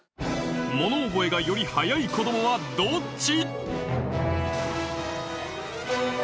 物覚えがより早い子どもはどっち？